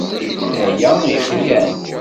Tala Ixlan.